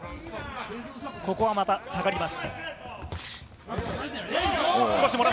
ここはまた下がります。